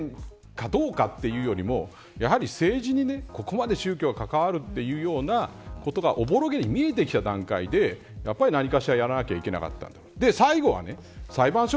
だから、刑事事件がどうかということよりも政治にここまで宗教が関わるというようなことがおぼろげに見えてきた段階で何かしらやらないといけなかった。